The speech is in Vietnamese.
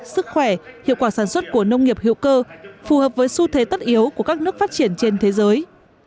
sức khỏe hiệu quả sản xuất của nông nghiệp hữu cơ phù hợp với xu thế tất yếu của các nước phát triển trên thế giới